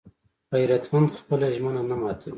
غیرتمند خپله ژمنه نه ماتوي